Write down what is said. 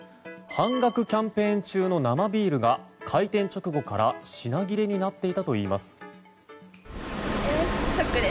半額キャンペーン中の生ビールが開店直後から品切れになっていたといいます。